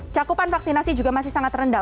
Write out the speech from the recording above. cakupan vaksinasi juga masih sangat rendah